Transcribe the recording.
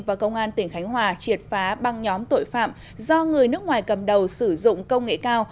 và công an tỉnh khánh hòa triệt phá băng nhóm tội phạm do người nước ngoài cầm đầu sử dụng công nghệ cao